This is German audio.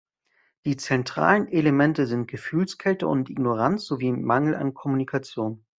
Die zentralen Elemente sind Gefühlskälte und Ignoranz sowie Mangel an Kommunikation.